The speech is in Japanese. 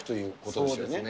そうですね。